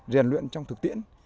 rèn luyện trong thực tiễn